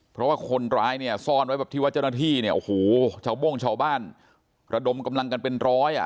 เพราะว่าคนร้ายซ่อนไว้ที่เจ้าหน้าที่ชาวโม่งชาวบ้านระดมกำลังกันเป็นร้อย